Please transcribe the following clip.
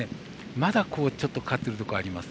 まだ、ちょっとかかっているところがあります。